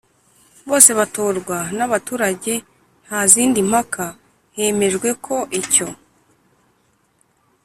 bose batorwa n abaturage nta zindi mpaka Hemejwe ko icyo